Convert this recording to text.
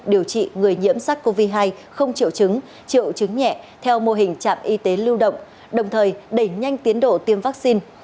điều trị người nhiễm sắc covid một mươi chín không triệu chứng triệu chứng nhẹ theo mô hình chạm y tế lưu động đồng thời đẩy nhanh tiến độ tiêm vaccine